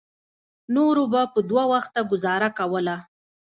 نورو به په دوه وخته ګوزاره کوله.